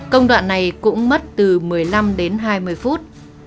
công đoạn này cũng mất từ một mươi năm đến hai mươi phút